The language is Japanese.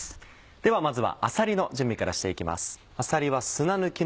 ではまずはあさりの準備からしていきます。